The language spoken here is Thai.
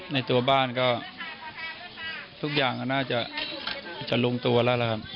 ในตัวบ้านก็ทุกอย่างก็น่าจะลงตัวแล้วล่ะครับ